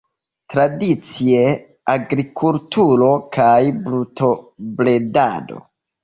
Tradicie agrikulturo kaj brutobredado.